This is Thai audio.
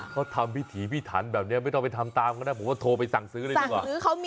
เขาทำวิธีพิศาลเสมอแบบเนี้ยไม่ต้องไปทำตามก็ได้ผมก็โทรไปสั่งซื้อ